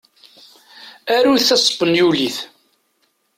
Arut taspenyulit.